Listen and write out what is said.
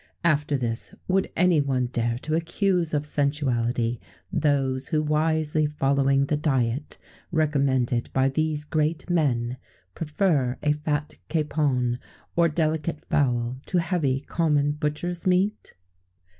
[XVII 2] After this, would any one dare to accuse of sensuality those who, wisely following the diet recommended by these great men, prefer a fat capon or delicate fowl, to heavy, common butcher's meat?